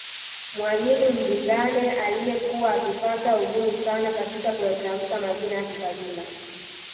Mwalimu Mdingane aliyekuwa akipata ugumu sana katika kuyatamka Majina ya kikabila